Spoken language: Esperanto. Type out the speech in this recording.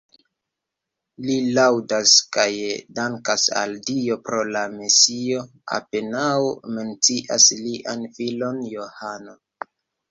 Li laŭdas kaj dankas al Dio pro la Mesio, apenaŭ mencias lian filon Johano.